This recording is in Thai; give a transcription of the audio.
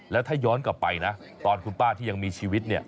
แล้วถ้าย้อนกลับไปนะตอนคุณป้าที่ยังมีชีวิตเนี่ย